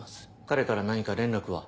彼から何か連絡は？